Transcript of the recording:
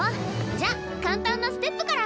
じゃ簡単なステップから！